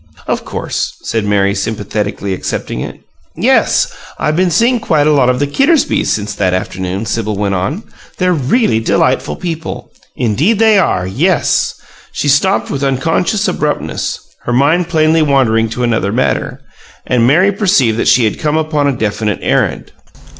"Of course," said Mary, sympathetically accepting it. "Yes. I've been seeing quite a lot of the Kittersbys since that afternoon," Sibyl went on. "They're really delightful people. Indeed they are! Yes " She stopped with unconscious abruptness, her mind plainly wandering to another matter; and Mary perceived that she had come upon a definite errand.